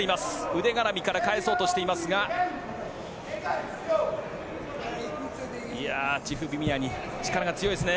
腕がらみから返そうとしていますがチフビミアニ、力が強いですね。